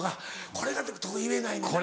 これが徳井言えないねんな。